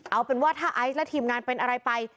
เอาเป็นว่าถ้าไอซ์และทีมงานเป็นอะไรไป